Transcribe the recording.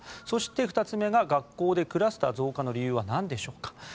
そして２つ目は学校でのクラスター増加の理由はなんでしょうか。